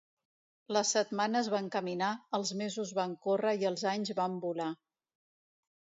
Les setmanes van caminar, els mesos van córrer i els anys van volar.